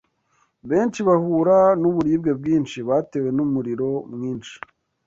Benshi bahura n’uburibwe bwinshi batewe n’umuriro mwinshi